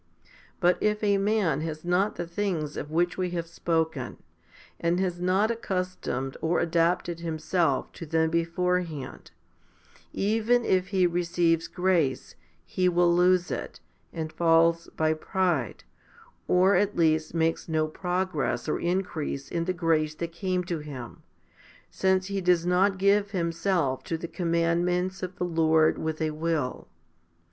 But if a man has not the things of which we 1 Col. i. ii. 2 Eph. iv. 31. HOMILY XIX 161 have spoken, and has not accustomed or adapted himself to them beforehand, even if he receives grace, he will lose it, and falls by pride, or at least makes no progress or increase in the grace that came to him, since he does not give him self to the commandments of the Lord with a will.